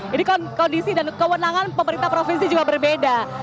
jadi kondisi dan kewenangan pemerintah provinsi juga berbeda